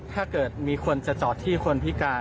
ถ้าเกิดมีคนจะจอดที่คนพิการ